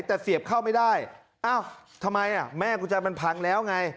แต่เสียบเข้าไม่ได้อ้าวทำไมแม่กุญแจมันพังแล้วไง